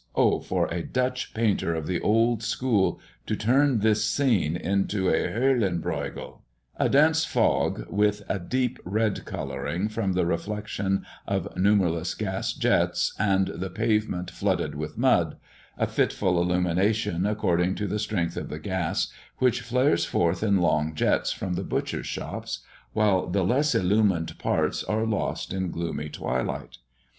Oh for a Dutch painter of the old school to turn this scene into a Höllenbreughel." A dense fog, with a deep red colouring, from the reflection of numberless gas jets, and the pavement flooded with mud; a fitful illumination according to the strength of the gas, which flares forth in long jets from the butchers' shops, while the less illumined parts are lost in gloomy twilight.